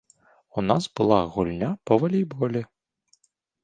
У нас была гульня па валейболе.